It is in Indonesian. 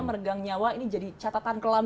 meregang nyawa ini jadi catatan kelam